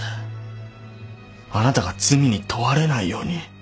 あなたが罪に問われないように。